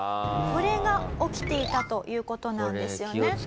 これが起きていたという事なんですよね。